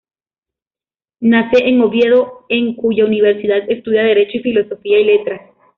Nace en Oviedo en cuya universidad estudia Derecho y Filosofía y Letras.